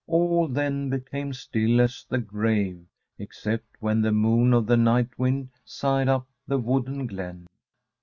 All then became still as the grave, except when the moan of the night wind sighed up the wooded glen.